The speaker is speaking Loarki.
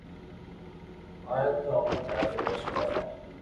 ھوئي تو اووي ڌاڌي رݾ ھوئي ھي